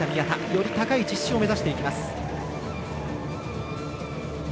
より高い実施を目指していきます。